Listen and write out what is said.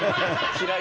嫌い。